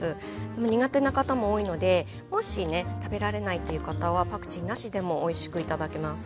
苦手な方も多いのでもしね食べられないっていう方はパクチーなしでもおいしく頂けます。